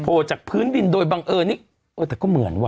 จากพื้นดินโดยบังเอิญนี่เออแต่ก็เหมือนว่